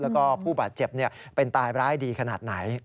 แล้วก็ผู้บาดเจ็บเป็นตายร้ายดีขนาดไหน